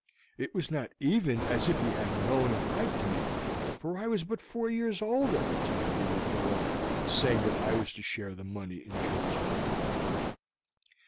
It was not even as if he had known and liked me, for I was but four years old at the time he wrote the letter saying that I was to share the money and jewels with you."